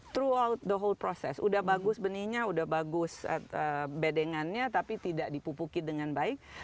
twout the whole process udah bagus benihnya udah bagus bedengannya tapi tidak dipupuki dengan baik